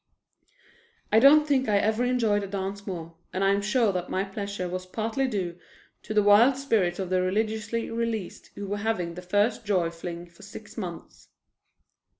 I don't think I ever enjoyed a dance more, and I am sure that my pleasure was partly due to the wild spirits of the religiously released who were having the first joy fling for six months.